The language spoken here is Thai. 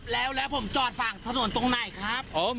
แล้วผมจอดฝั่งถนนตรงไหนครับ